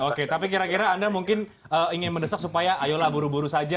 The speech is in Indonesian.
oke tapi kira kira anda mungkin ingin mendesak supaya ayolah buru buru saja